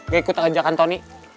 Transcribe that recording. gak ikut ajakan tony